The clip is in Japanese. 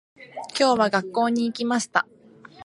今日は、学校に行きました。